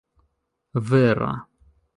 vera